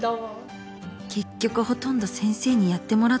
結局ほとんど先生にやってもらったからでは